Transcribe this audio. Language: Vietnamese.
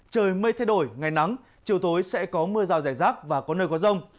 trời mây thay đổi ngày nắng chiều tối sẽ có mưa rào rải rác và có nơi có rông